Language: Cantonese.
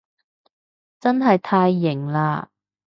真係太型喇